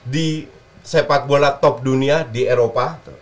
di sepak bola top dunia di eropa